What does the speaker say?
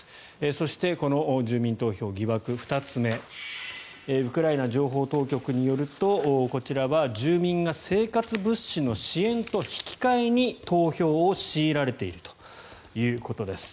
そして、この住民投票疑惑２つ目ウクライナ情報当局によるとこちらは、住民が生活物資の支援と引き換えに投票を強いられているということです。